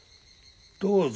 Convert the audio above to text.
どうぞ。